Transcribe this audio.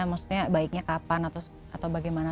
maksudnya baiknya kapan atau bagaimana